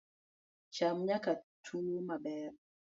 cham nyaka tuwo maber